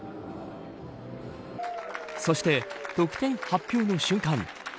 そして、得点発表の瞬間